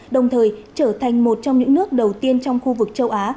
đồng thời trở thành một trong những nước đầu tiên trong khu vực châu á